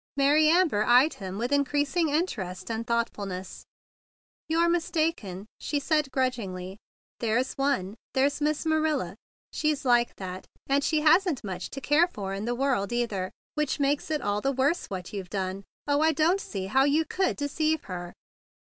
Mary Amber eyed him with increas¬ ing interest and thoughtfulness. "You're mistaken," she said grudg¬ ingly. "There's one. There's Miss Marilla. She'd break her heart. She's like that ; and she hasn't much to care for in the world, either. Which makes it all the w r orse what you've done. Oh, I don't see how you could deceive her."